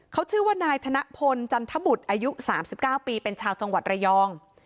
เขาชื่อว่านายธนพลจันทบุตรอายุ๓๙ปีเป็นชาวจังหวัดระยอง